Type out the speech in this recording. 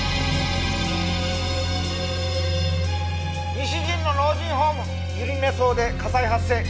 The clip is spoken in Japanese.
西陣の老人ホーム百合根荘で火災発生。